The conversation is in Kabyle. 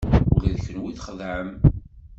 Ula d kenwi txedɛem!